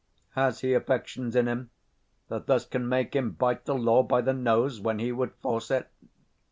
Has he affections in him, 105 That thus can make him bite the law by the nose, When he would force it?